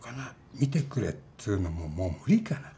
見てくれっつうのももう無理かな。